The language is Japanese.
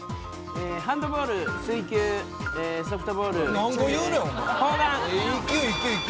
ハンドボール、水球、ソフトボール、砲丸。